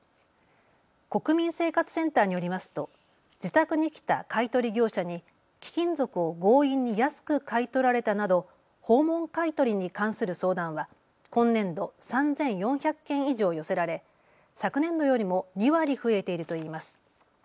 国民生活センターによりますと自宅に来た買い取り業者に貴金属を強引に安く買い取られたなど訪問買い取りに関する相談は今年度３４００件以上寄せられ昨年度よりも２割増えているといいます。